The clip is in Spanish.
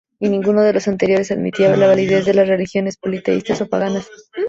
Y ninguno de los anteriores admitía la validez de las religiones politeístas ó paganas.